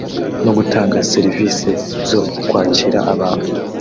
no gutanga serivisi zo kwakira abantu